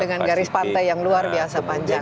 dengan garis pantai yang luar biasa panjang